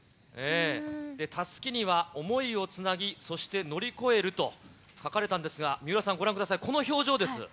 たすきには想いをつなぎ、そして乗り越えると書かれたんですが、水卜さん、ご覧ください、この表情です。